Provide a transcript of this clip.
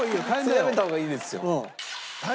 それやめた方がいいですよ。